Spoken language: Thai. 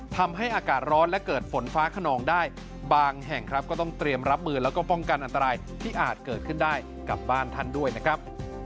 ทำให้อากาศร้อนและเกิดฝนฟ้าขนองได้บางแห่งครับก็ต้องเตรียมรับมือแล้วก็ป้องกันอันตรายที่อาจเกิดขึ้นได้กับบ้านท่านด้วยนะครับ